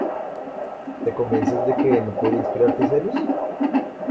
¿ te convences de que no podía inspirarte celos?